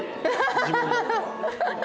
ハハハハッ！